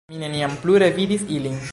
Mi neniam plu revidis ilin.